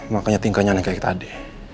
makanya tingkahnya naik kayak tadi